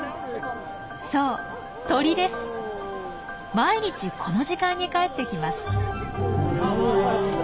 毎日この時間に帰ってきます。